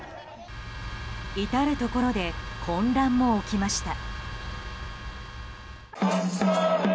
至るところで混乱も起きました。